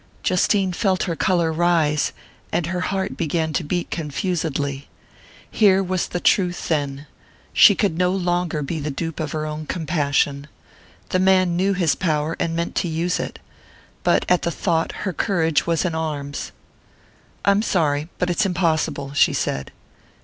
Justine felt her colour rise, and her heart began to beat confusedly. Here was the truth, then: she could no longer be the dupe of her own compassion. The man knew his power and meant to use it. But at the thought her courage was in arms. "I'm sorry but it's impossible," she said.